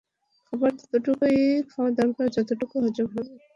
খাবার ততটুকুই খাওয়া দরকার যতটুকু হজম হবে।